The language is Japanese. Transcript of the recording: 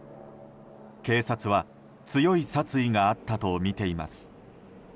警察は強い殺意があったとみています。